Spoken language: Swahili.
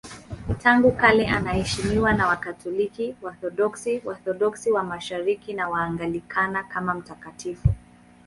Tangu kale anaheshimiwa na Wakatoliki, Waorthodoksi, Waorthodoksi wa Mashariki na Waanglikana kama mtakatifu.